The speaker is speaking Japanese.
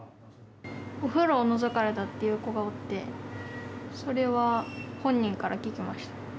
お風呂をのぞかれたっていう子がおって、それは本人から聞きました。